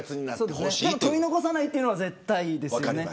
でも、取り残さないというのは絶対ですけどね。